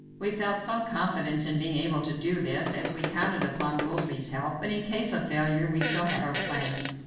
We felt some confidence in being able to do this, as we counted upon Wolsey's help, but in case of failure we still had our plans.